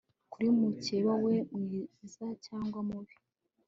kuri mukeba we, mwiza cyangwa mubi